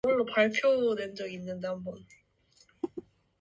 마침내 그 여자는 신철의 앞으로 다가왔다.